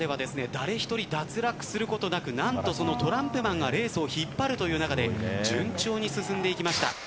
誰１人、脱落することなく何とそのトランプマンがレースを引っ張るという中で順調に進んでいきました。